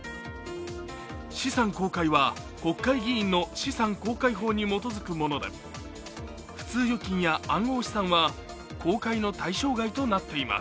資産公開は国会議員の資産公開法に基づくもので、普通預金や暗号資産は公開の対象外となっています。